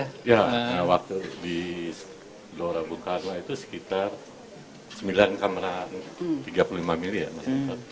karena waktu di lora bung karno itu sekitar sembilan kameramen tiga puluh lima mili ya mas